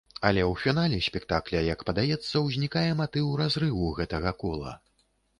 Але ў фінале спектакля, як падаецца, узнікае матыў разрыву гэтага кола.